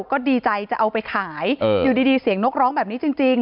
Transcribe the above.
ก็ดีใจจะเอาไปขายอยู่ดีเสียงนกร้องแบบนี้จริง